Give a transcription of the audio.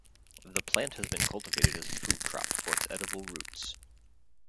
The plant has been cultivated as a food crop for its edible roots.